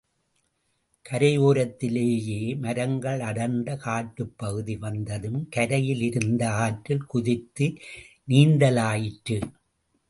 கரையோரத்திலேயே மரங்கள் அடர்ந்த காட்டுப்பகுதி வந்ததும் கரையிலிருந்து ஆற்றில் குதித்து நீந்தலாயிற்று.